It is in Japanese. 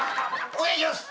お願いします。